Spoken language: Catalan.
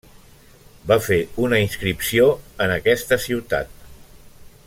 Va fer una inscripció en aquesta ciutat.